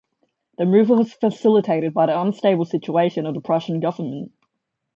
The move was facilitated by the unstable situation of the Prussian government.